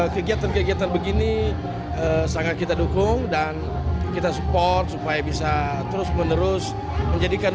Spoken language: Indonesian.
kegiatan kegiatan begini sangat kita dukung dan kita support supaya bisa terus menerus menjadikan